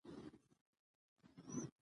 مزارشریف د افغانستان د ښاري پراختیا سبب کېږي.